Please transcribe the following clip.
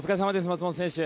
松元選手。